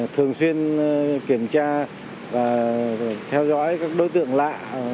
thường xuyên kiểm tra và theo dõi các đối tượng lạ